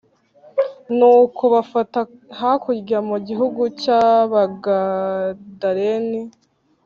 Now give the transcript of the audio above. Nuko bafata hakurya mu gihugu cy Abagadareni